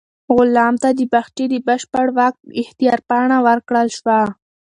غلام ته د باغچې د بشپړ واک اختیار پاڼه ورکړل شوه.